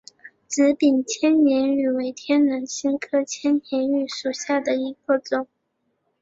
紫柄千年芋为天南星科千年芋属下的一个种。